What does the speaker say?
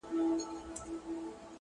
هر منزل د زحمت غوښتنه کوي.!